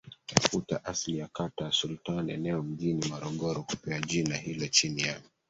Tafuta asili ya kata ya Sultan eneo mjini Morogoro kupewa jina hiloChini ya